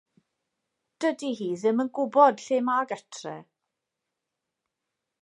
Dydi hi ddim yn gwybod lle mae gartre.